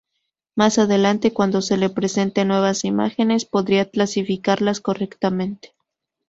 Más adelante, cuando se le presenten nuevas imágenes podrá clasificarlas correctamente.